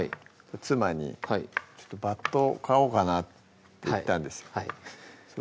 妻に「バット買おうかな」って言ったんですそ